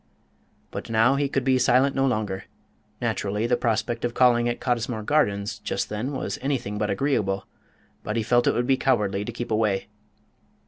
But now he could be silent no longer; naturally the prospect of calling at Cottesmore Gardens just then was anything but agreeable, but he felt it would be cowardly to keep away.